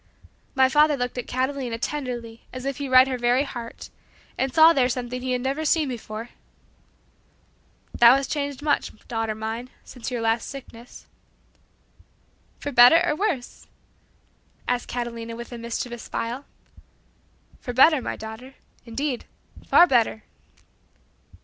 My father looked at Catalina tenderly as if he read her very heart, and saw there something he had never seen before. "Thou hast changed much, daughter mine, since your last sickness." "For better or worse?" asked Catalina with a mischievous smile. "For better, my daughter. Indeed, far better!"